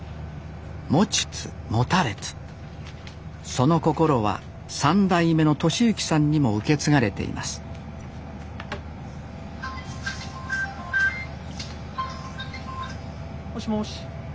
その心は３代目の利幸さんにも受け継がれていますもしもし。